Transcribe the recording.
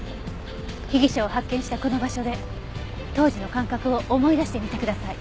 被疑者を発見したこの場所で当時の感覚を思い出してみてください。